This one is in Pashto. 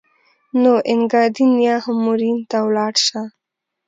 نو اینګادین یا هم مورین ته ولاړ شه.